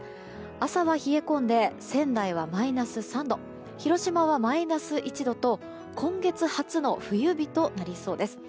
朝は冷え込んで仙台はマイナス３度広島はマイナス１度と今月初の冬日となりそうです。